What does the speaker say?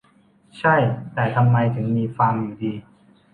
ใช่ แต่ทำไมถึงมีฟางอยู่ดี